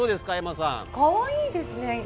かわいいですね。